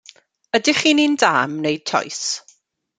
Ydych chi'n un da am wneud toes?